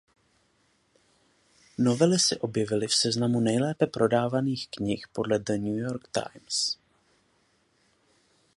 Novely se objevily v seznamu nejlépe prodávaných knih podle The New York Times.